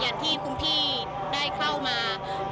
ตอนนี้เป็นครั้งหนึ่งครั้งหนึ่ง